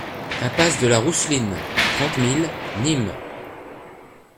Impasse de la Rousseline, trente mille Nîmes